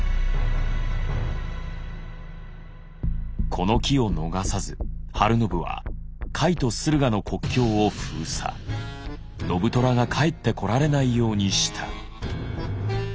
この機を逃さず晴信は甲斐と駿河の国境を封鎖信虎が帰ってこられないようにした。